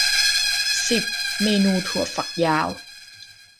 สิบ เมนูถั่วฝักยาว